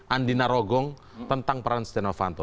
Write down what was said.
andi narogong tentang peran setia novanto